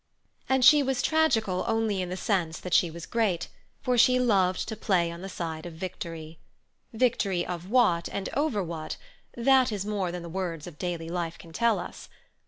And she was tragical only in the sense that she was great, for she loved to play on the side of Victory. Victory of what and over what—that is more than the words of daily life can tell us.